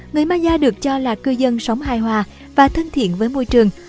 người maya được cho là cư dân sống hài hòa và thân thiện với môi trường